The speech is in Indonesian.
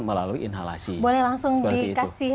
melalui inhalasi boleh langsung dikasih